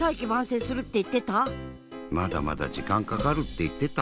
まだまだじかんかかるっていってた。